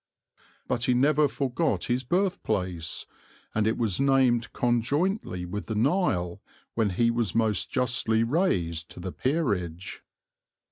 But he never forgot his birthplace, and it was named conjointly with the Nile when he was most justly raised to the peerage.